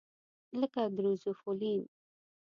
لکه ګریزوفولوین.